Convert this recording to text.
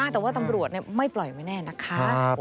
แต่ว่าตำรวจไม่ปล่อยไว้แน่นะคะ